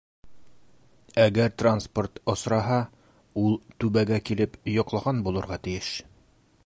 Әгәр транспорт осраһа, ул Түбәгә килеп йоҡлаған булырға тейеш.